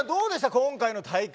今回の大会。